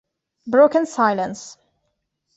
Broken Silence